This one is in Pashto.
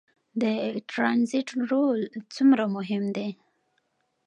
د ټرانزیټ رول څومره مهم دی؟